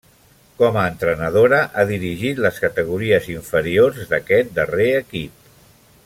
Com a entrenadora, ha dirigit les categories inferiors d'aquest darrer equip.